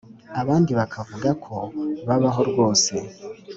abandi bakavuga ko babaho rwose